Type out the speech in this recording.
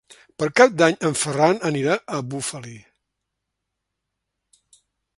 Per Cap d'Any en Ferran anirà a Bufali.